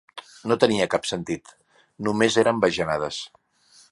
No tenia cap sentit, només eren bajanades.